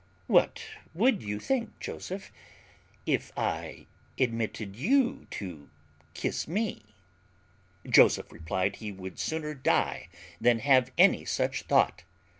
What would you think, Joseph, if I admitted you to kiss me?" Joseph replied he would sooner die than have any such thought.